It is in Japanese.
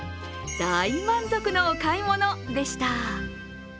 大満足のお買い物でした。